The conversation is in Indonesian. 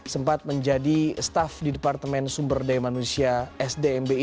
sempat menjadi staff di departemen sumber daya manusia sdmbi